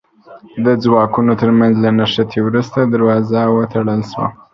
د ځواکونو تر منځ له نښتې وروسته دروازه وتړل شوه.